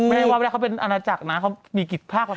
เพราะรับไปแล้วเขาเป็นอรัจจักรนะเขามีกี่ภาค